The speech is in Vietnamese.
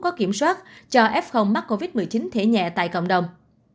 có kiểm soát cho f mắc covid một mươi chín thể nhẹ tại cộng đồng